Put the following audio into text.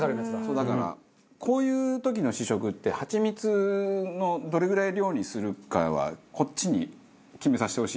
だからこういう時の試食ってハチミツのどれぐらい量にするかはこっちに決めさせてほしい。